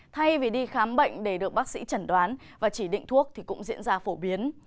thay vì đi khám bệnh để được bác sĩ chẩn đoán và chỉ định thuốc thì cũng diễn ra phổ biến